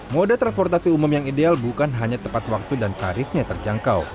moda transportasi umum yang ideal bukan hanya tepat waktu dan tarifnya terjangkau